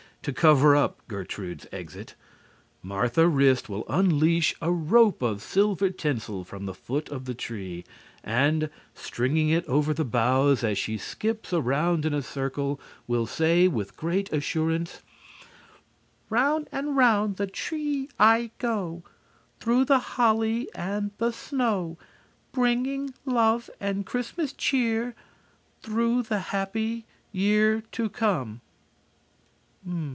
to cover up Gertrude's exit, Martha Wrist will unleash a rope of silver tinsel from the foot of the tree, and, stringing it over the boughs as she skips around in a circle, will say, with great assurance: "'_Round and 'round the tree I go, Through the holly and the snow Bringing love and Christmas cheer Through the happy year to come.